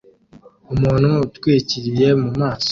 Umuntu utwikiriye mu maso